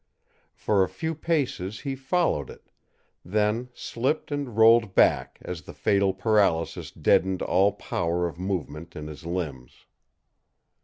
For a few paces he followed it, then slipped and rolled back as the fatal paralysis deadened all power of movement in his limbs.